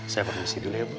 saya bahasi dulu ya bu